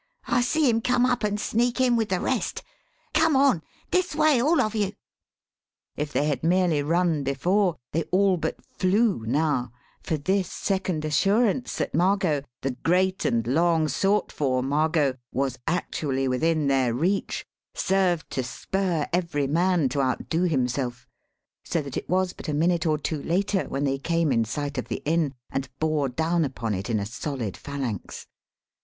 I see him come up and sneak in with the rest. Come on! This way, all of you." If they had merely run before, they all but flew now; for this second assurance that Margot, the great and long sought for Margot, was actually within their reach served to spur every man to outdo himself; so that it was but a minute or two later when they came in sight of the inn and bore down upon it in a solid phalanx.